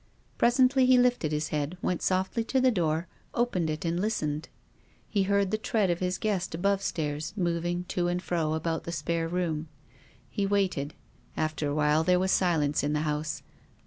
Presently he lifted his head, went softly to the door, opened it and listened. He heard the tread of his guest above stairs, moving to and fro about the spare room. He waited. After a while there was silence in the house.